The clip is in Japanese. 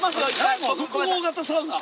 複合型サウナ。